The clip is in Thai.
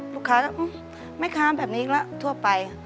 ลูกค้าจะไม่ค้ามแบบนี้แล้วทั่วไป